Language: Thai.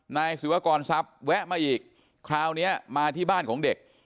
นายศิวากรทรัพย์แวะมาอีกคราวนี้มาที่บ้านของเด็ก